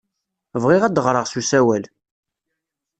Bɣiɣ ad ɣreɣ s usawal.